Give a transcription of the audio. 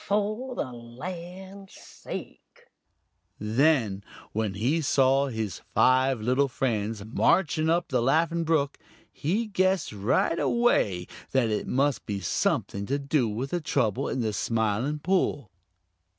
Fo' the lan's sake!" Then, when he saw his five little friends marching up the Laughing Brook, he guessed right away that it must be something to do with the trouble in the Smiling Pool.